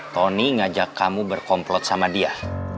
tony ngajak kamu berkomplot sama dia